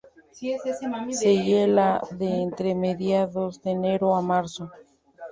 Se hiela de entre mediados de enero a marzo.